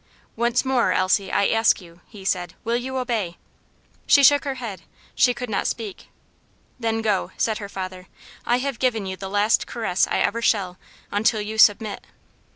"Once more, Elsie, I ask you," he said, "will you obey?" She shook her head; she could not speak. "Then go," said her father. "I have given you the last caress I ever shall, until you submit."